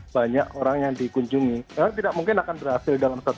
banyak orang yang dipercaya